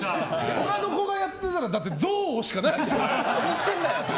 他の子がやってたら憎悪しかないですよね。